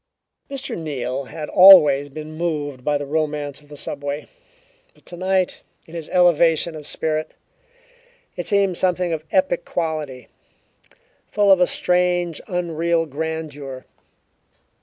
Mr. Neal had always been moved by the romance of the subway, but tonight, in his elevation of spirit, it seemed something of epic quality, full of a strange, unreal grandeur.